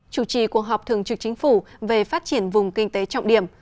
chủ trì cuộc họp thường trực chính phủ về phát triển vùng kinh tế trọng điểm